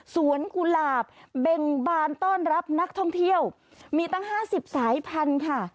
กุหลาบเบ่งบานต้อนรับนักท่องเที่ยวมีตั้ง๕๐สายพันธุ์ค่ะ